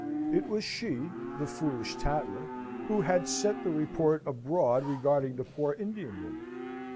It was she the foolish tattler who had set the report abroad regarding the poor Indian woman.